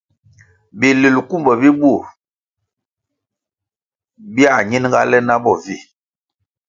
Bi lulkumbo bi bur biãh ñinga le na bo vi.